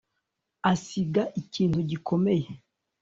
Asiga ikintu gikomeye